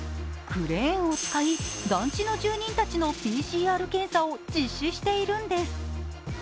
クレーンを使い、団地の住人たちのＰＣＲ検査を実施しているんです。